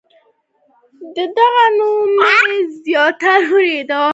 د هغه نوم مې زیات اوریدلی